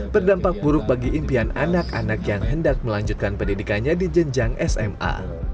berdampak buruk bagi impian anak anak yang hendak melanjutkan pendidikannya di jenjang sma